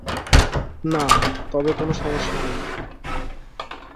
না, তবে কোনো সমস্যা নেই।